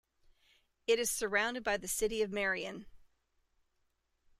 It is surrounded by the city of Marion.